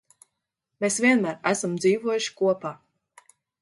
Mēs vienmēr esam dzīvojuši kopā.